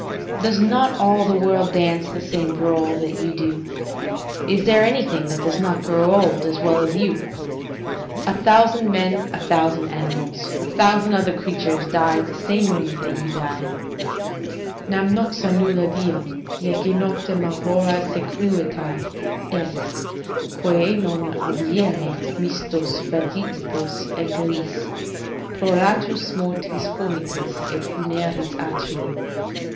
] "Does not all the world dance the same brawl that you do? Is there anything that does not grow old, as well as you? A thousand men, a thousand animals, a thousand other creatures, die at the same moment that you die: "'Nam nox nulla diem, neque noctem aurora sequuta est, Quae non audierit mistos vagitibus aegris Ploratus, mortis comites et funeris atri.